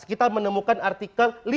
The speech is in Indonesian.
kita menemukan artikel